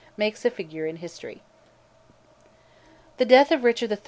makes a figure in history. The death of Richard III.